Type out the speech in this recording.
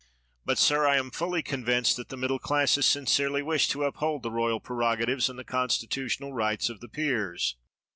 But, sir, I am fully convinced that the middle classes sincerely wish to uphold the royal prerogatives and the constitutional rights of the peers.